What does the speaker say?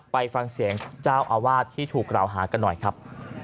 ไปฟังเสียงเจ้าอาวาสที่ถูกกล่าวหากันหน่อยครับ